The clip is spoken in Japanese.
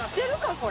これ。